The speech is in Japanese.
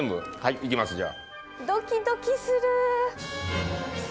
いきますじゃあ。